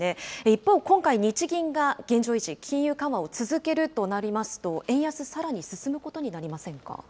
一方、今回、日銀が現状維持、金融緩和を続けるとなりますと、円安、さらに進むことになりませんか。